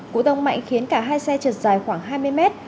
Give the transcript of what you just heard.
cụ tông mạnh khiến cả hai xe trượt dài khoảng hai mươi mét